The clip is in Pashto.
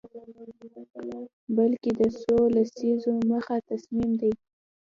بلکه د څو لسیزو مخه تصامیم دي